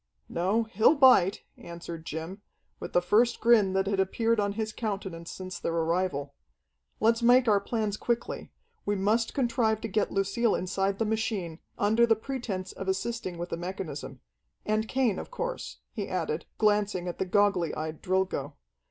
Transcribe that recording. "No, he'll bite," answered Jim, with the first grin that had appeared on his countenance since their arrival. "Let's make our plans quickly. We must contrive to get Lucille inside the machine, under the pretense of assisting with the mechanism. And Cain, of course," he added, glancing at the goggly eyed Drilgo.